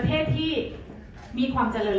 อ๋อแต่มีอีกอย่างนึงค่ะ